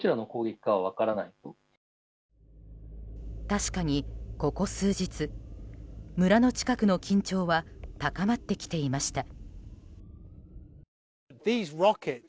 確かに、ここ数日村の近くの緊張は高まってきていました。